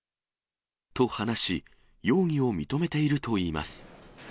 と話し、容疑を認めているといいます。